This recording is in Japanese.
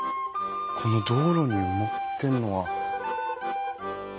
この道路に埋まってるのは。